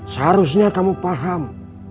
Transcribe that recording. seharusnya kamu paham